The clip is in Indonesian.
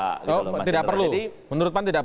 oh tidak perlu menurut pan tidak perlu mempertanyakan itu